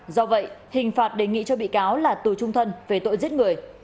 do vậy hình phạt đề nghị cho bị cáo là tù trung thân về tội giết người